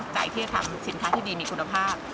และก็ตั้งใจให้ทำสินค้าที่ดีที่มีคุณภาพ